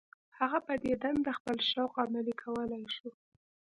هغه په دې دنده خپل شوق عملي کولای شو.